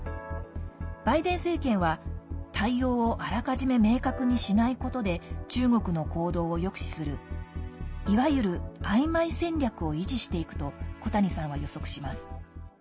バイデン政権は、対応をあらかじめ明確にしないことで中国の行動を抑止するいわゆる、あいまい戦略を維持していくと小谷さんは予測します。